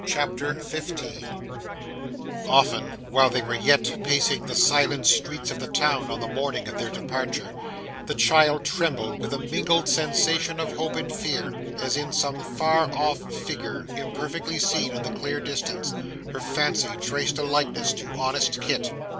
CHAPTER 15 Often, while they were yet pacing the silent streets of the town on the morning of their departure, the child trembled with a mingled sensation of hope and fear as in some far off figure imperfectly seen in the clear distance, her fancy traced a likeness to honest Kit.